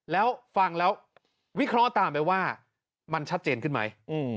แล้วฟังแล้ววิเคราะห์ตามไปว่ามันชัดเจนขึ้นไหม